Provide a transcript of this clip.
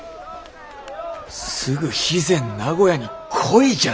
すぐ肥前名護屋に来いじゃと？